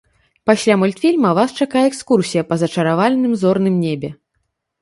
Пасля мультфільма вас чакае экскурсія па зачаравальным зорным небе.